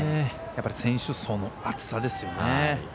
やっぱり選手層の厚さですよね。